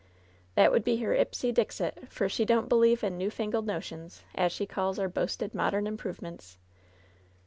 That would be her ipse dixit, for she don't believe in newfangled notions, as she calls our boasted modem improvements."